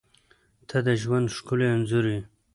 • ته د ژوند ښکلی انځور یې.